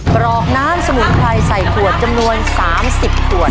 กรอกน้ำสมุนไพรใส่ขวดจำนวน๓๐ขวด